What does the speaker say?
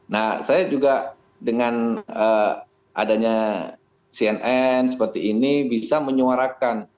nah saya juga dengan adanya cnn seperti ini bisa menyuarakan